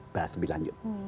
bahas lebih lanjut